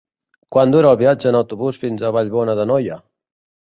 Quant dura el viatge en autobús fins a Vallbona d'Anoia?